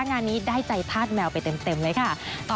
งานนี้ได้ใจธาตุแมวไปเต็มเลยค่ะ